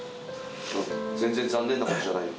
全然残念なことじゃないよ。